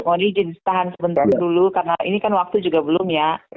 mohon izin tahan sebentar dulu karena ini kan waktu juga belum ya